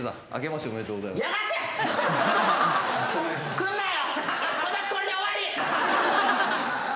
来んなよ！